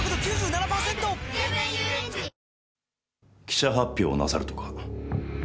記者発表をなさるとか。